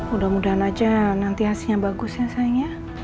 mudah mudahan aja nanti hasilnya bagus ya sayangnya